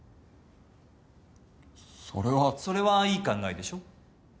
それは。それはいい考えでしょ？